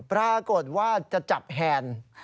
ปรากฏว่าจะจับแฮนด์